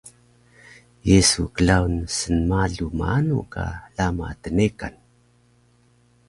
Ye su klaun snmalu maanu ka hlama tnekan?